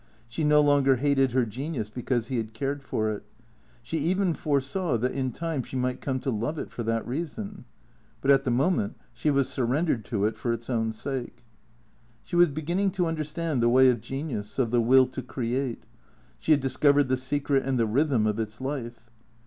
She no longer hated her genius because he had cared for it. She even foresaw that in time she might come to love it for that reason. But at the moment she was surrendered to it for its own sake. She was beginning to understand the way of genius, of the will to create. She had discovered the secret and the rhythm of its life.